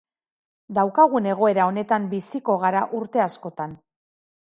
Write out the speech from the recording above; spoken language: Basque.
Daukagun egoera honetan biziko gara urte askotan.